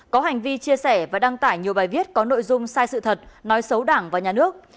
có hành vi chia sẻ và đăng tải nhiều bài viết có nội dung sai sự thật nói xấu đảng và nhà nước